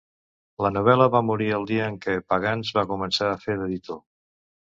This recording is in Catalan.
La novel·la va morir el dia que el Pagans va començar a fer d'editor.